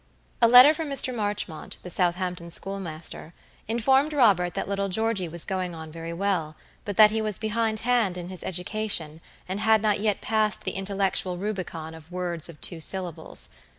A letter from Mr. Marchmont, the Southampton schoolmaster, informed Robert that little Georgey was going on very well, but that he was behindhand in his education, and had not yet passed the intellectual Rubicon of words of two syllables.